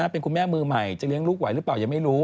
เป็นคุณแม่มือใหม่จะเลี้ยงลูกไหวหรือเปล่ายังไม่รู้